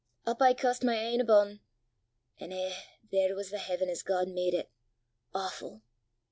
Up I cuist my e'en abune an' eh, there was the h'aven as God made it awfu'!